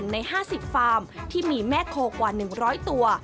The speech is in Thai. ใน๕๐ฟาร์มที่มีแม่โคกว่า๑๐๐ตัว